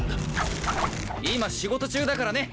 今仕事中だからねッ！